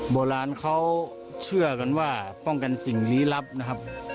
โบราณเขาเชื่อกันว่าป้องกันสิ่งลี้ลับนะครับ